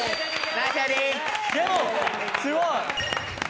でもすごい！